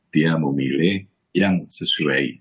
dia memilih yang sesuai